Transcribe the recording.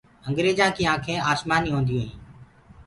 انگيرجآن ڪي آنکينٚ آسمآني هونديو هينٚ۔